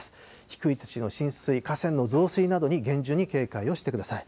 低い土地の浸水、河川の増水などに厳重に警戒をしてください。